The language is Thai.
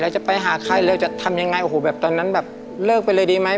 จะไปหาใครเราจะทำยังไงโอ้โหแบบตอนนั้นแบบเลิกไปเลยดีไหม